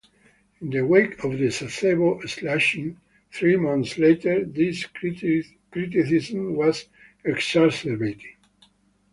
In the wake of the Sasebo slashing, three months later, this criticism was exacerbated.